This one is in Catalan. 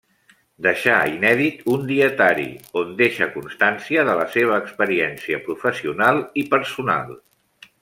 Deixà inèdit un dietari, on deixa constància de la seva experiència professional i personal.